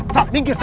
sa minggir sa